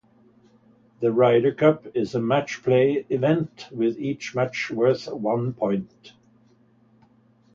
The Ryder Cup is a match play event, with each match worth one point.